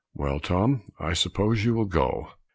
"Well, Tom, I suppose you will go."